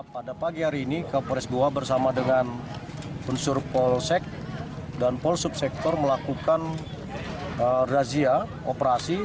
pada pagi hari ini kapolres goa bersama dengan unsur polsek dan pol subsektor melakukan razia operasi